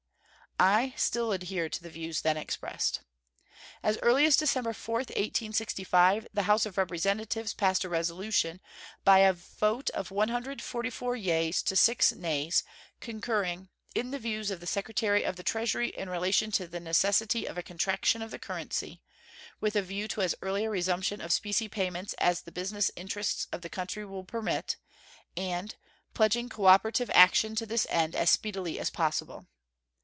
I still adhere to the views then expressed. As early as December 4, 1865, the House of Representatives passed a resolution, by a vote of 144 yeas to 6 nays, concurring "in the views of the Secretary of the Treasury in relation to the necessity of a contraction of the currency, with a view to as early a resumption of specie payments as the business interests of the country will permit," and pledging "cooperative action to this end as speedily as possible."